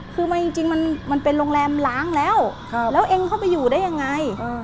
คือจริงมันเป็นโรงแรมล้างแล้วแล้วเองเข้าไปอยู่ได้ยังไง